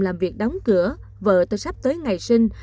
làm việc đóng cửa vợ từ sắp tới ngày sinh